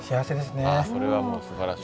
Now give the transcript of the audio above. それはもうすばらしい。